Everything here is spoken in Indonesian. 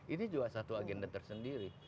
ini juga satu agenda tersendiri